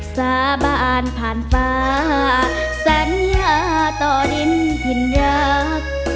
สาบานผ่านฟ้าสัญญาต่อดินถิ่นรัก